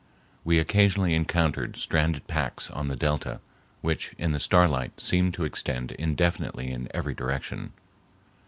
We occasionally encountered stranded packs on the delta, which in the starlight seemed to extend indefinitely in every direction.